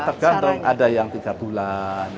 tergantung ada yang tiga bulan